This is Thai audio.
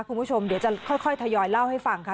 คุณผู้ชมเดี๋ยวจะค่อยทยอยเล่าให้ฟังค่ะ